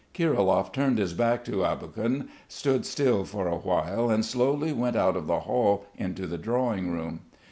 Kirilov turned his back to Aboguin, stood still for a while and slowly went out of the hall into the drawing room.